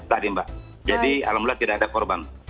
jadi alhamdulillah tidak ada korban